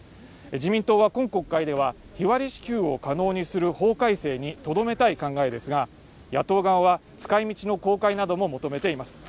自民党は今国会では日割り支給を可能にする法改正にとどめたい考えですが野党側は使いみちの公開なども求めています